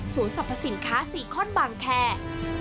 ศูนย์สรรพสินค้าสี่ข้อนบางแคร์